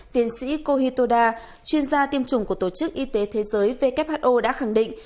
tiến sĩ kohito da chuyên gia tiêm chủng của tổ chức y tế thế giới who đã khẳng định